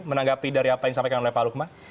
menanggapi dari apa yang disampaikan oleh pak lukman